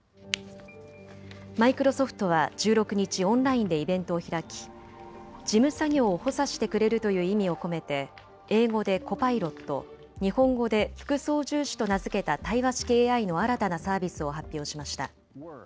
マイクロソフトは１６日、オンラインでイベントを開き事務作業を補佐してくれるという意味を込めて英語でＣｏｐｉｌｏｔ、日本語で副操縦士と名付けた対話式ＡＩの新たなサービスを発表しました。